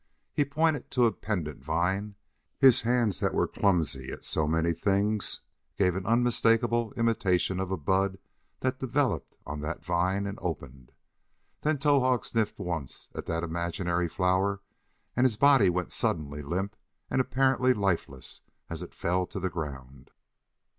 He pointed to a pendant vine; his hands that were clumsy at so many things gave an unmistakable imitation of a bud that developed on that vine and opened. Then Towahg sniffed once at that imaginary flower, and his body went suddenly limp and apparently lifeless as it fell to the ground.